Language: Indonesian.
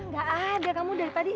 gak ada kamu dari tadi